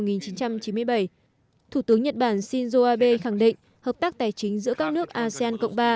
năm một nghìn chín trăm chín mươi bảy thủ tướng nhật bản shinzo abe khẳng định hợp tác tài chính giữa các nước asean cộng ba